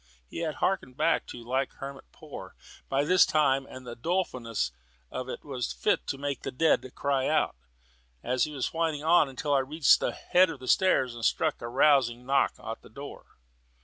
He had harked back again to "Like Hermit Poor" by this time, and the dolefulness of it was fit to make the dead cry out, but he went whining on until I reached the head of the stairs and struck a rousing knock on the door.